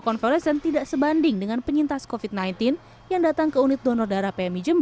convalescent tidak sebanding dengan penyintas covid sembilan belas yang datang ke unit donor darah